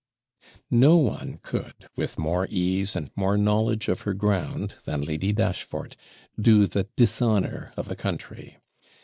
No one could, with more ease and more knowledge of her ground, than Lady Dashfort, do the DISHONOUR of a country.